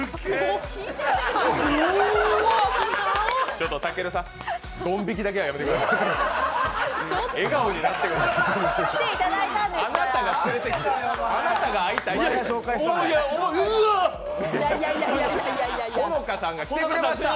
ちょっとたけるさん、どん引きだけはやめてくださいよ。